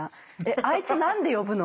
「あいつ何で呼ぶの？」